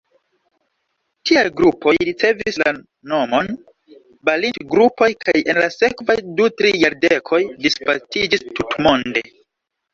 Tiaj grupoj ricevis la nomon Balint-grupoj kaj en la sekvaj du-tri jardekoj disvastiĝis tutmonde.